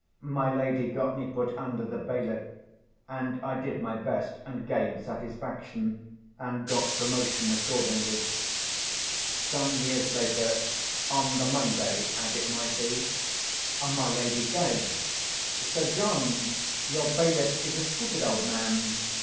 My lady got me put under the bailiff, and I did my best, and gave satisfaction, and got promotion accordingly. Some years later, on the Monday as it might be, my lady says, "Sir John, your bailiff is a stupid old man.